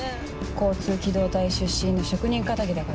交通機動隊出身の職人かたぎだからね。